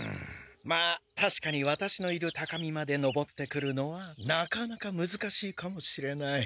まあたしかにワタシのいる高みまで上ってくるのはなかなかむずかしいかもしれない。